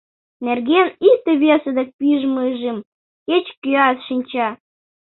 Нерген икте-весе дек пижмыжым кеч-кӧат шинча.